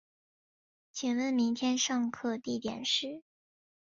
请问明天上课地点是